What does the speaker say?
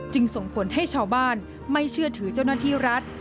ส่งผลให้ชาวบ้านไม่เชื่อถือเจ้าหน้าที่รัฐ